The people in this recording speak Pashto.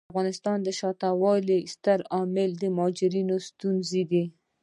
د افغانستان د شاته پاتې والي یو ستر عامل د مهاجرینو ستونزې دي.